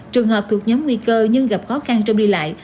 trường hợp thuộc nhóm nguy cơ nhưng gặp khó khăn trong đi lại